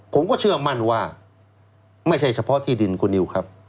ผมก็เชื่อมั่นว่าไม่ใช่เฉพาะที่ดินคุณนิวครับ